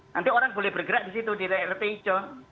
nanti orang boleh bergerak di situ di rt hijau